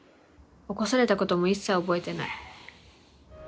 起こされたことも一切覚えてない。